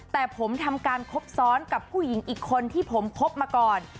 แต่ผมทำการคบซ้อนกับผู้หญิงอีกคนที่ผมคบมาก่อน